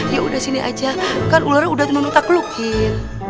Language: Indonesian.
ya udah sini aja kan ular udah tenang tenang tak geluk gil